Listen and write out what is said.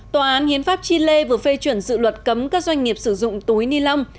tòa án hiến pháp chile vừa phê chuẩn dự luật cấm các doanh nghiệp sử dụng túi ni lông